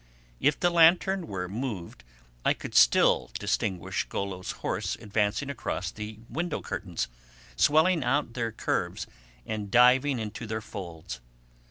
If the lantern were moved I could still distinguish Golo's horse advancing across the window curtains, swelling out with their curves and diving into their folds.